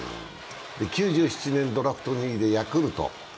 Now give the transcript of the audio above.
９７年、ドラフト２位でヤクルト。